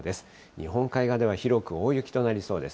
日本海側では広く大雪となりそうです。